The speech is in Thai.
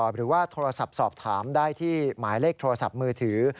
หรือว่าโทรศัพท์สอบถามได้ที่หมายเลขโทรศัพท์มือถือ